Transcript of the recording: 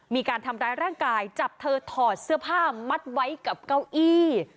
มีการทำร้ายร่างกายจับเธอถอดเสื้อผ้ามัดไว้กับเก้าอี้